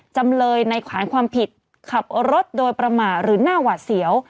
จำเลยในขวานความผิดขับรถโดยประมาทหรือหน้าหวาดเสียว